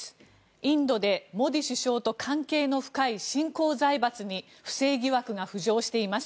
インドでモディ首相と関係の深い新興財閥に不正疑惑が浮上しています。